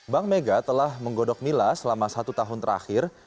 bank mega telah menggodok mila selama satu tahun terakhir